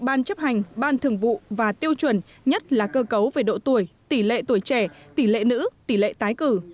ban chấp hành ban thường vụ và tiêu chuẩn nhất là cơ cấu về độ tuổi tỷ lệ tuổi trẻ tỷ lệ nữ tỷ lệ tái cử